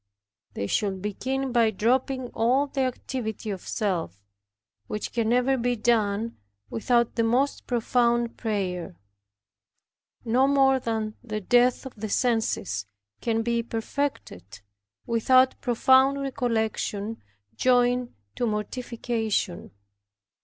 They should begin by dropping all the activity of self, which can never be done without the most profound prayer; no more than the death of the senses can be perfected without profound recollection joined to mortification.